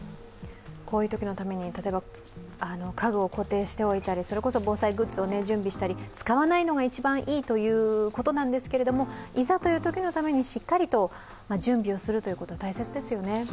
こういうときのために例えば家具を固定しておいたりそれこそ防災グッズを準備したり、使わないのが一番いいということですけれども、いざというときのためにしっかりと準備をするということ大切ですよね。